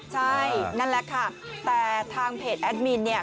ใช่นั่นแหละค่ะแต่ทางเพจแอดมินเนี่ย